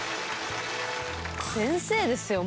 先生ですよ